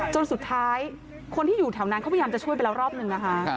จนสุดท้ายคนที่อยู่แถวนั้นเขาพยายามจะช่วยไปแล้วรอบหนึ่งนะคะ